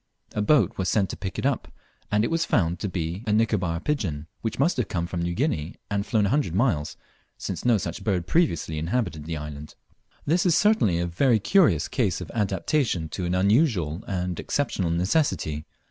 A boat was sent to pick it up, and it was found to be a Nicobar pigeon, which must have come from New Guinea, and flown a hundred miles, since no such bird previously inhabited the island. This is certainly a very curious case of adaptation to an unusual and exceptional necessity.